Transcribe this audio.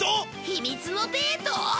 秘密のデート？